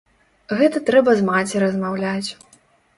Гэта трэба з маці размаўляць.